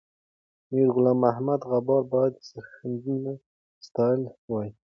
میرغلام محمد غبار باید سرښندنه ستایلې وای.